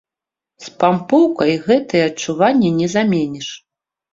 Спампоўкай гэтыя адчуванні не заменіш!